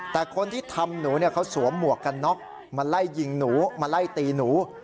แต่คนที่ทำหนูเขาสวมหมวกกันน็อกมาไล่ยิงหนูมาไล่ตีหนู